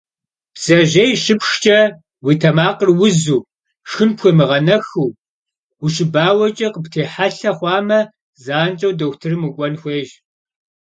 Бдзэжьей щыпшхкӏэ, уи тэмакъыр узу, шхын пхуемыгъэнэхыу, ущыбауэкӏэ къыптехьэлъэ хъуамэ, занщӏэу дохутырым укӏуэн хуейщ.